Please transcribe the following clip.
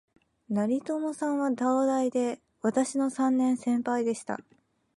成友さんは、東大で私の三年先輩でした